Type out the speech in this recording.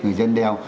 người dân đeo